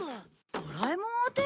ドラえもん宛て？